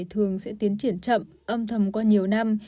thường sẽ tiến triển chậm âm thầm qua nhiều năm